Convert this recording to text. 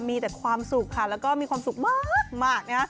มีแต่ความสุขค่ะแล้วก็มีความสุขมากนะ